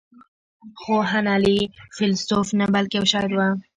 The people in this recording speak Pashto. خو هنلي فيلسوف نه بلکې يو شاعر و.